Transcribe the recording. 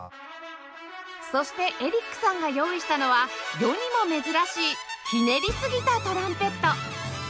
そしてエリックさんが用意したのは世にも珍しいひねりすぎたトランペット